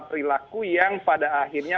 perilaku yang pada akhirnya